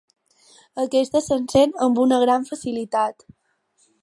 Aquesta s'encén amb una gran facilitat.